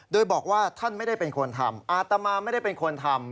โดยบอกว่าท่านไม่ได้เป็นคนทำอาตมาไม่ได้เป็นคนทำ